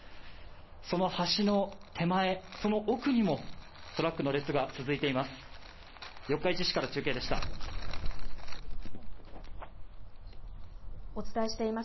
その橋の手前、その奥にもトラックの列が続いています。